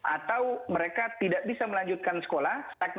atau mereka tidak bisa melanjutkan sekolah